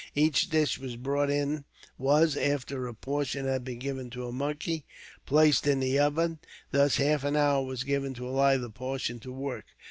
Each dish as brought in was, after a portion had been given to a monkey, placed in the oven, and thus half an hour was given to allow the poison to work.